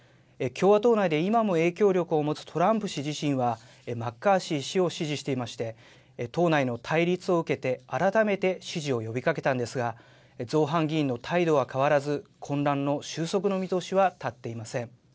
共和党内で今も影響力を持つトランプ氏自身は、マッカーシー氏を支持していまして、党内の対立を受けて、改めて支持を呼びかけたんですが、造反議員の態度は変わらず、混乱の収束の見通しは立っていません。